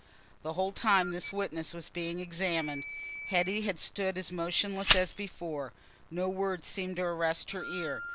The whole time this witness was being examined, Hetty had stood as motionless as before: no word seemed to arrest her ear.